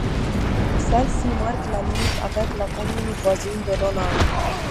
Celle-ci marque la limite avec la commune voisine de Launay.